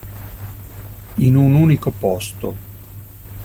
In un unico posto.